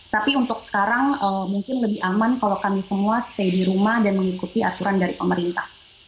tapi untuk sekarang mungkin lebih aman kalau kami semua stay di rumah dan mengikuti aturan dari pemerintah